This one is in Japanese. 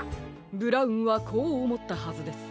ブラウンはこうおもったはずです。